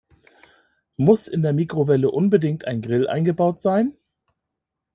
Muss in der Mikrowelle unbedingt ein Grill eingebaut sein?